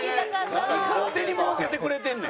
何勝手に設けてくれてんねん。